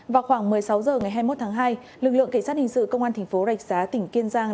vào khoảng một mươi sáu h ngày hai mươi một tháng hai lực lượng cảnh sát hình sự công an thành phố rạch giá tỉnh kiên giang